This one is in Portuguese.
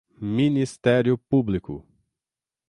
Ministério Público